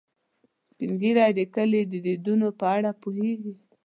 سپین ږیری د کلي د دودونو په اړه پوهیږي